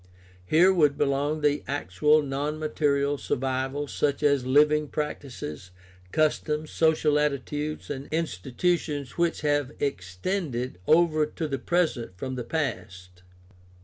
— Here would belong the actual non material survivals, such as living practices, customs, social attitudes, and institutions which have extended over to the present from the past.